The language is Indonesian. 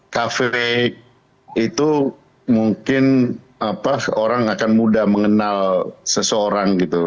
kafe itu mungkin orang akan mudah mengenal seseorang gitu